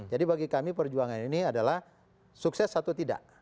bagi kami perjuangan ini adalah sukses atau tidak